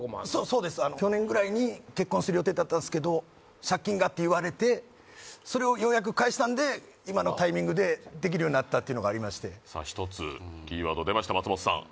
そうです去年ぐらいに結婚する予定だったんすけど借金がって言われてそれをようやく返したんで今のタイミングでできるようになったっていうのがありましてさあ一つキーワード出ました松本さん